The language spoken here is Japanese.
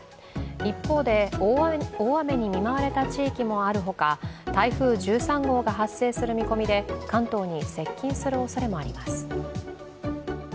一方で大雨に見舞われた地域もあるほか台風１３号が発生する見込みで関東に接近するおそれもあります。